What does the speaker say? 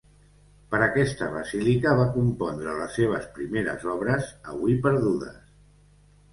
Per aquesta basílica va compondre les seves primeres obres, avui perdudes.